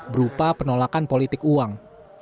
berupa penolakan politik uang